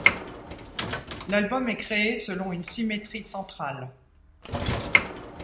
L'album est créé selon une symétrie centrale.